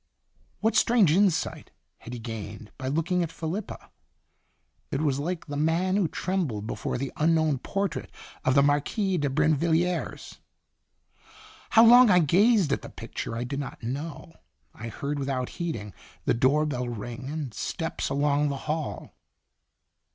What strange insight had he gained by looking at Felipa? It was like the man who trembled before the unknown portrait of the Marquise de Brinvilliers. How long I gazed at the picture I do not know. I heard, without heeding, the door bell ring and steps along the hall.